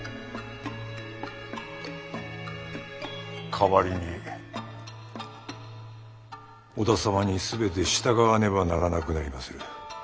代わりに織田様に全て従わねばならなくなりまする。